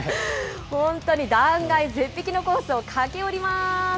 本当に断崖絶壁のコースを駆け下りまーす。